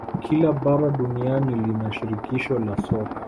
Kila bara duniani lina shirikisho la soka